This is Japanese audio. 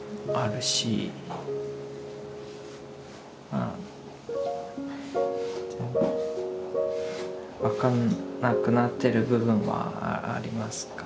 まあ分かんなくなってる部分はあります。